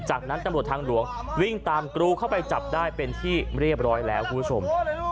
จากนั้นตำรวจทางหลวงวิ่งตามกรูเข้าไปจับได้เป็นที่เรียบร้อยแล้วคุณผู้ชม